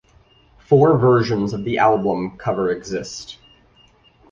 Four versions of the album cover exist.